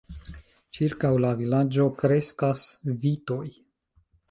Ĉirkaŭ la vilaĝo kreskas vitoj.